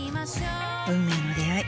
運命の出会い。